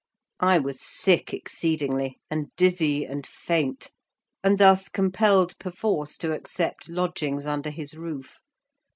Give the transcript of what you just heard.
I was sick exceedingly, and dizzy, and faint; and thus compelled perforce to accept lodgings under his roof.